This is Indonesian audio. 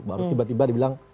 baru tiba tiba dibilang